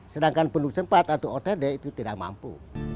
sedangkan penduduk sempat atau otd itu tidak mampu